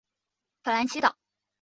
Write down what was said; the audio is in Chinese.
法兰西岛运输联合会则负责监管。